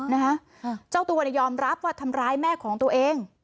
นะฮะเจ้าตัวเนี่ยยอมรับว่าทำร้ายแม่ของตัวเอง